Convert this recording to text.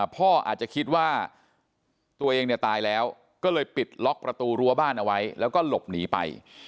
พ่ออาจจะคิดว่าตัวเองเนี่ยตายแล้วก็เลยปิดล็อกประตูรั้วบ้านเอาไว้แล้วก็หลบหนีไป